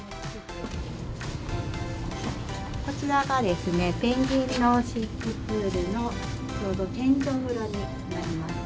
こちらがですね、ペンギンの飼育プールのちょうど天井裏になります。